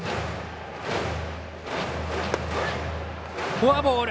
フォアボール。